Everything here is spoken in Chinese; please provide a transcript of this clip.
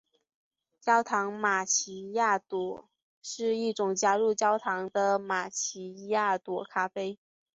焦糖玛琪雅朵是一种加入焦糖的玛琪雅朵咖啡。